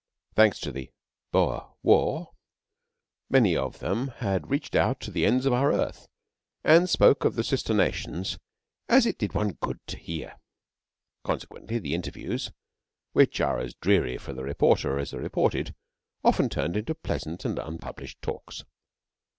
Thanks to the (Boer) war, many of them had reached out to the ends of our earth, and spoke of the sister nations as it did one good to hear. Consequently the interviews which are as dreary for the reporter as the reported often turned into pleasant and unpublished talks.